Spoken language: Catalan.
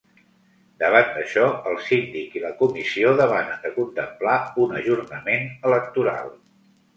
Davant d’això, el síndic i la comissió demanen de contemplar un ajornament electoral.